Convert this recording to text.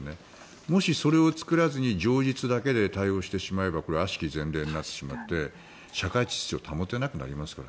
もし、それを作らずに情実だけで対応してしまえばこれはあしき前例になってしまって社会秩序を保てなくなってしまいますから。